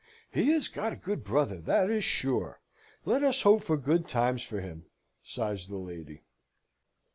"He has got a good brother, that is sure. Let us hope for good times for him," sighs the lady.